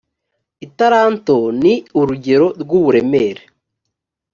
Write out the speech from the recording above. italanto ni urugero rw uburemere